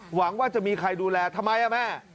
หวังว่าจะมีใครดูแลทำไมแม่